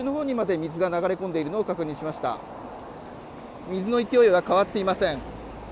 水の勢いは変わっていません。